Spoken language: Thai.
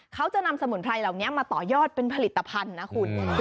เขาจะนำสมุนไพรเหล่านี้มาต่อยอดเป็นผลิตภัณฑ์นะคุณ